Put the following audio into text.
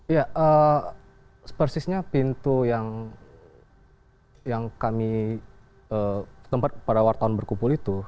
ya persisnya pintu yang kami tempat pada wartawan berkumpul itu